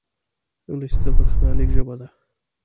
انګلیسي د بریښنالیک ژبه ده